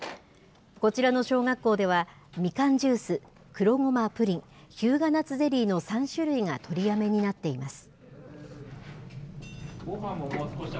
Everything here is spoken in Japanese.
こちらの小学校では、みかんジュース、黒ごまプリン、日向夏ゼリーの３種類が取りやめになっています。